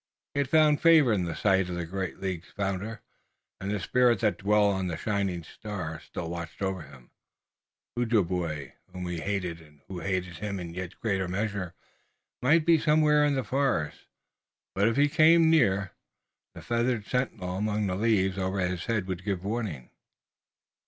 He had found favor in the sight of the great league's founder, and the spirit that dwelt on the shining star still watched over him. The Ojibway, whom he hated and who hated him in yet greater measure, might be somewhere in the forest, but if he came near, the feathered sentinel among the leaves over his head would give warning.